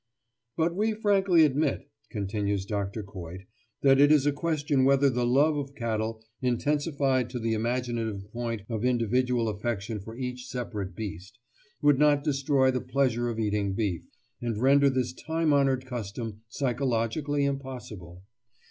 "But we frankly admit," continues Dr. Coit, "that it is a question whether the love of cattle, intensified to the imaginative point of individual affection for each separate beast, would not destroy the pleasure of eating beef, and render this time honoured custom psychologically impossible.